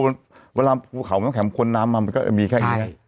เวลาภูเขาน้ำแข็งค้นน้ำมามันก็จะมีแค่นี้